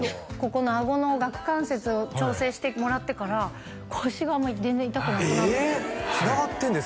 ここのあごの顎関節を調整してもらってから腰が全然痛くなくなってえっ？